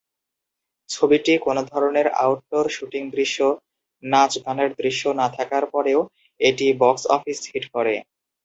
ছবিটি কোনো ধরনের আউটডোর শ্যুটিং দৃশ্য, নাচ-গানের দৃশ্য না থাকার পরেও এটি বক্স অফিস হিট করে।